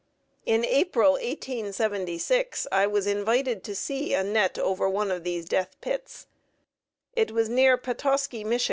In April, 1876, I was invited to see a net over one of these death pits. It was near Petoskey, Mich.